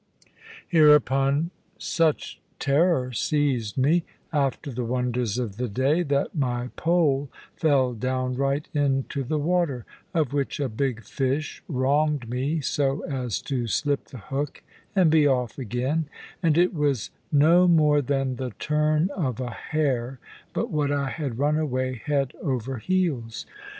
Hereupon such terror seized me, after the wonders of the day, that my pole fell downright into the water (of which a big fish wronged me so as to slip the hook and be off again), and it was no more than the turn of a hair but what I had run away head over heels.